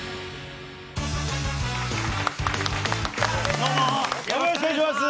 どうもどうもよろしくお願いします